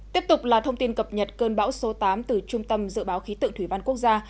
tiếp tục là thông tin cập nhật cơn bão số tám từ trung tâm dự báo khí tượng thủy văn quốc gia